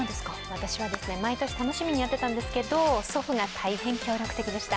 私はですね、毎年、楽しみにやってたんですけど祖父が大変、協力的でした。